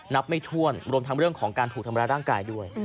ไม่ถ้วนรวมทั้งเรื่องของการถูกทำร้ายร่างกายด้วย